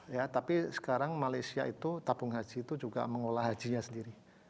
ya tapi sekarang malaysia itu tabung haji itu juga mengolah hajinya sendiri